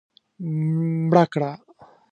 مړه کړه